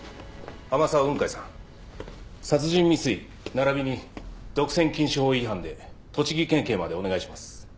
天沢雲海さん殺人未遂ならびに独占禁止法違反で栃木県警までお願いします。